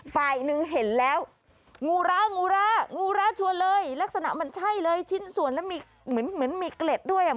ฝ่ายนึงเห็นแล้วงูร้างูร้าชัวร์เลยลักษณะมันใช่เลยชิ้นส่วนแล้วเหมือนมีเกล็ดด้วย